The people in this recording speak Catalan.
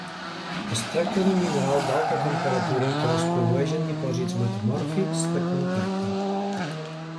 Es tracta d'un mineral d'alta temperatura que es produeix en dipòsits metamòrfics de contacte.